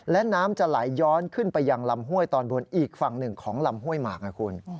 และน้ำจะไหลย้อนขึ้นไปยังลำห้วยตอนบนอีกฝั่งหนึ่งของลำห้วยหมากนะคุณ